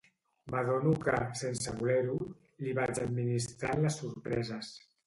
M'adono que, sense voler-ho, li vaig administrant les sorpreses.